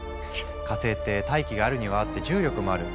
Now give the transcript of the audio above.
火星って大気があるにはあって重力もある。